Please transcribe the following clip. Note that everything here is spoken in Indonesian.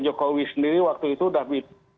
jokowi sendiri waktu itu sudah